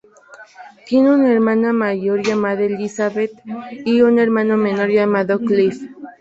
Tiene una hermana mayor llamada Elizabeth y un hermano menor llamado Cliff.